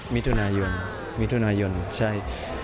มิถุนายนมิถุนายนใช่